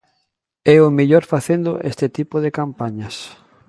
É o mellor facendo este tipo de campañas.